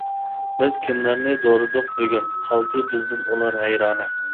بىز كىملەرنى دورىدۇق بۈگۈن، قالدى بىزدىن ئۇلار ھەيرانە.